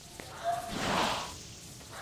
پرې مي ږده طبیبه ما اجل په خوب لیدلی دی ..